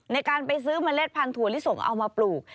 ในการไปซื้อเมล็ดพันธั่วลิสงเอามาปลูก